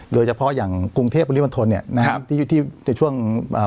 โดยเฉพาะอย่างกรุงเทพปริมณฑลเนี่ยนะครับที่อยู่ที่ในช่วงอ่า